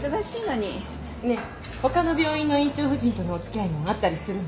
ねえほかの病院の院長夫人とのお付き合いもあったりするの？